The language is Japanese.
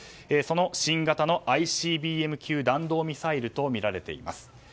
その新型のＩＣＢＭ級弾道ミサイルとみられています。